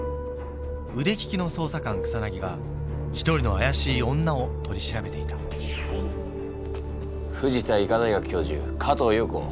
腕利きの捜査官草が一人の怪しい女を取り調べていた藤田医科大学教授加藤庸子。